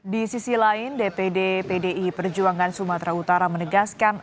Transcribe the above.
di sisi lain dpd pdi perjuangan sumatera utara menegaskan